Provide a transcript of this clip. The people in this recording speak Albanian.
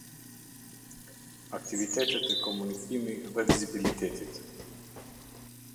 Aktivitetet e komunikimi dhe vizibilitetit.